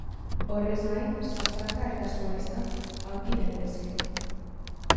Horrez gain, sastraka eta zuhaixkak aurki daitezke.